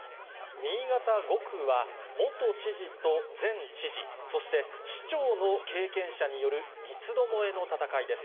新潟５区は元知事と前知事、そして市長の経験者による三つどもえの戦いです。